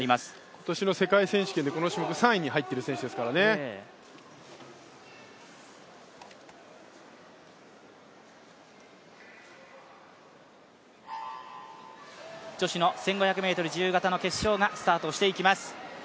今年の世界選手権でこの種目３位に入っている選手ですからね女子の１５００ｍ自由形決勝がスタートしていきます。